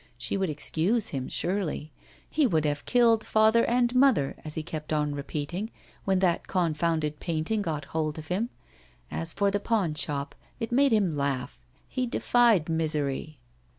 She would excuse him, surely; he would have killed father and mother, as he kept on repeating, when that confounded painting got hold of him. As for the pawn shop, it made him laugh; he defied misery.